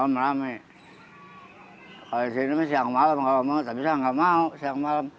kalau di sini siang malam kalau mau tak bisa nggak mau siang malam